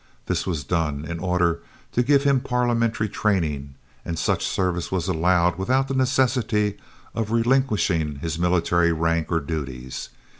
This was done in order to give him parliamentary training, and such service was allowed without the necessity of relinquishing his military rank or duties.